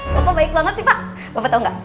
bapak baik banget sih pak